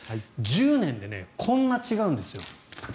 １０年でこんな違うんですよ。